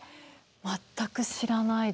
全く知らないです。